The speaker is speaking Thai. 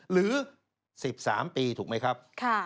หรือ๑๓ปีถูกไหมครับ